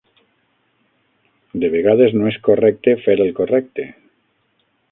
De vegades no és correcte fer el correcte.